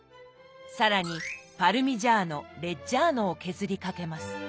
更にパルミジャーノ・レッジャーノを削りかけます。